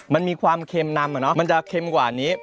มันมีความเค็มนำมันจะเค็มกว่านี้